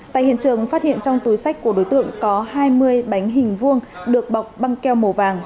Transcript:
tại hiện trường phát hiện trong túi sách của đối tượng có hai mươi bánh hình vuông được bọc băng keo màu vàng